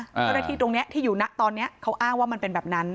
เจ้าหน้าที่ตรงนี้ที่อยู่นะตอนนี้เขาอ้างว่ามันเป็นแบบนั้น